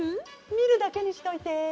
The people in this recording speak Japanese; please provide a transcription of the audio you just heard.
みるだけにしといて。